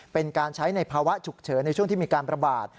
เป็นการใช้ในภาวะฉุกเฉินในช่วงที่มีการประบาด